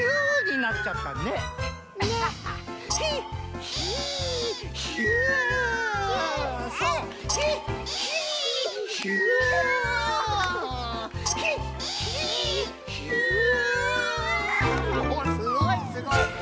おっすごいすごい。